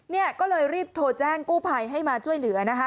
เนี่ยก็เลยรีบโทรแจ้งกู้ภัยให้มาช่วยเหลือนะคะ